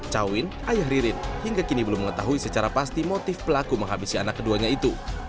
cawin ayah ririn hingga kini belum mengetahui secara pasti motif pelaku menghabisi anak keduanya itu